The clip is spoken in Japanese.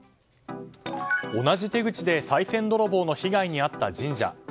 同じ手口でさい銭泥棒の被害に遭った神社。